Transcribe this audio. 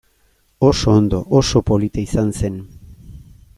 Oso ondo, oso polita izan zen.